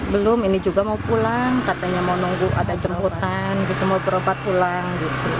belum ini juga mau pulang katanya mau nunggu ada jemputan gitu mau berobat ulang